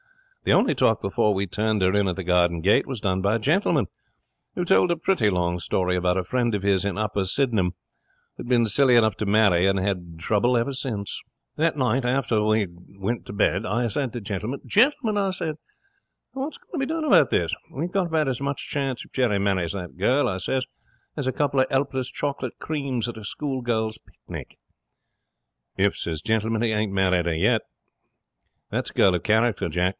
The only talk before we turned her in at the garden gate was done by Gentleman, who told a pretty long story about a friend of his in Upper Sydenham who had been silly enough to marry, and had had trouble ever since. 'That night, after we had went to bed, I said to Gentleman, "Gentleman," I says, "what's going to be done about this? We've got about as much chance, if Jerry marries that girl," I says, "as a couple of helpless chocolate creams at a school girls' picnic." "If," says Gentleman. "He ain't married her yet. That is a girl of character, Jack.